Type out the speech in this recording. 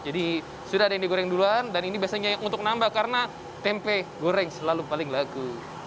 jadi sudah ada yang digoreng duluan dan ini biasanya untuk nambah karena tempe goreng selalu paling lagu